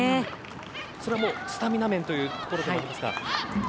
それはスタミナ面というところですか。